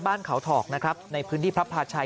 บ้านเขาถอกนะครับในพื้นที่พระพาชัย